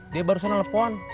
dia barusan telepon